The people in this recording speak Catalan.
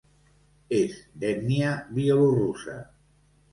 És d'ètnia bielorussa.